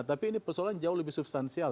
tapi ini persoalan jauh lebih substansial